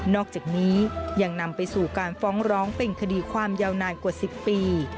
อกจากนี้ยังนำไปสู่การฟ้องร้องเป็นคดีความยาวนานกว่า๑๐ปี